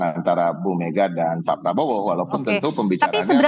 antara bu mega dan pak prabowo walaupun tentu pembicaraannya